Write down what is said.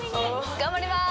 頑張りまーす！